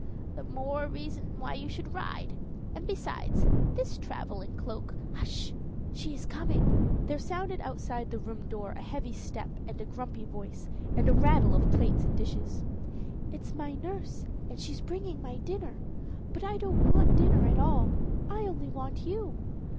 "The more reason why you should ride; and besides, this traveling cloak " "Hush! she's coming." There sounded outside the room door a heavy step and a grumpy voice, and a rattle of plates and dishes. "It's my nurse, and she is bringing my dinner; but I don't want dinner at all I only want you.